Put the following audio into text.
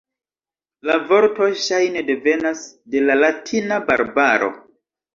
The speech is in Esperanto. La vorto ŝajne devenas de la latina "barbaro".